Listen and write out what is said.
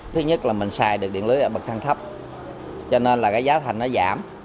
thứ nhất là mình xài được điện lưới ở bậc thang thấp cho nên là cái giá thành nó giảm